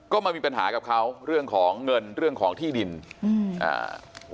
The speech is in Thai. ก็มามีปัญหากับเขาเรื่องของเงินเรื่องของที่ดินอืมอ่า